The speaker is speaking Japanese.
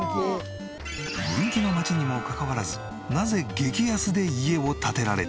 人気の街にもかかわらずなぜ激安で家を建てられたのか？